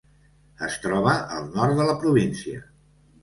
Es troba al nord de la província.